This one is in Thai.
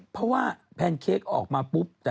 เพราะว่าแพนเค้กออกมาปุ๊บ